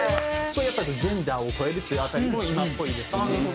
やっぱジェンダーを超えるっていう辺りも今っぽいですよね。